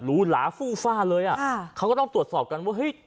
ูหลาฟู่ฟ่าเลยอ่ะเขาก็ต้องตรวจสอบกันว่าเฮ้ย